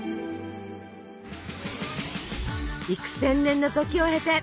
幾千年の時を経て！